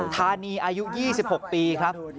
ทานีครับทานีอายุ๒๖ปีครับ